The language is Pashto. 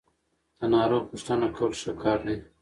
د ناروغ پوښتنه کول ښه کار دی.